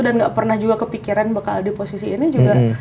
dan gak pernah juga kepikiran bakal di posisi ini juga